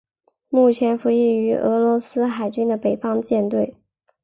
目前服役于俄罗斯海军的北方舰队。